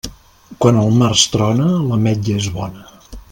Quan el març trona, l'ametlla és bona.